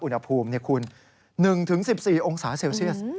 อุณหภูมิคุณ๑๑๔องศาเซลเซียส